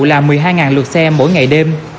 là một mươi hai lượt xe mỗi ngày đêm